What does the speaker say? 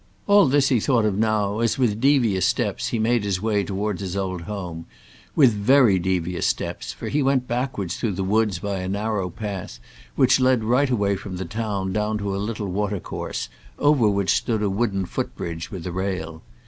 All this he thought of now as, with devious steps, he made his way towards his old home; with very devious steps, for he went backwards through the woods by a narrow path which led right away from the town down to a little water course, over which stood a wooden foot bridge with a rail.